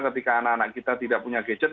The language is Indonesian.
ketika anak anak kita tidak punya gadget